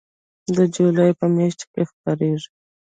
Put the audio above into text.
د جولای په میاشت کې خپریږي